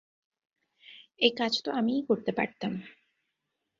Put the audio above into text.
এই কাজ তো আমিই করতে পারতাম।